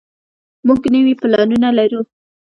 موږ نوي پلانونه لرو.